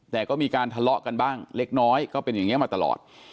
แต่ก็มีการทะเลาะกันบ้างเล็กน้อยก็เป็นอย่างนี้มาตลอด